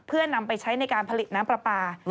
เพื่อนำไปใช้ในการผลิตน้ำปลาปลา